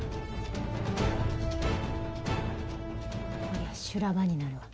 こりゃ修羅場になるわ。